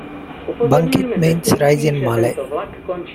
Bangkit means "rise" in Malay.